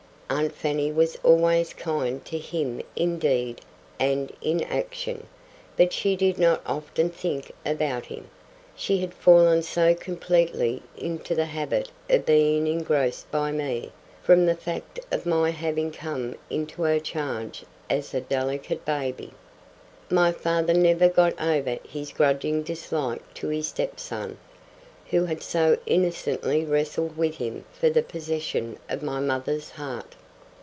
Aunt Fanny was always kind to him in deed and in action, but she did not often think about him, she had fallen so completely into the habit of being engrossed by me, from the fact of my having come into her charge as a delicate baby. My father never got over his grudging dislike to his stepson, who had so innocently wrestled with him for the possession of my mother's heart.